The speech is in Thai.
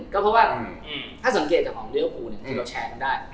ก็เพราะว่าถ้าสังเกตจากของลิเวอร์ฟูที่เราแชร์กันได้